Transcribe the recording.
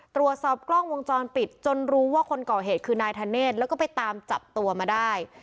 ตรวจสอบกล้องวงจรปิดจนรู้ว่าคนก่อเหตุคือนายธเนธแล้วก็ไปตามจับตัวมาได้